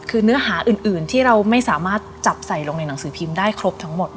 คือเนื้อหาอื่นที่เราไม่สามารถจับใส่ลงในหนังสือพิมพ์ได้ครบทั้งหมด